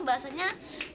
naba nabung memulu